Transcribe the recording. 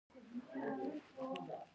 یو ځل بیا د شیخ عمر غږ شو.